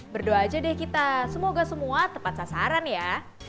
berdoa aja deh kita semoga semua tepat sasaran ya